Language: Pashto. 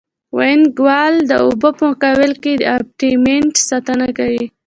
وینګ وال د اوبو په مقابل کې د ابټمنټ ساتنه کوي